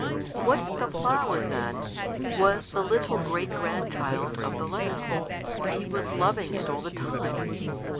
What if the flower, then, was the little great grandchild of the lamp, and he was loving it all the time?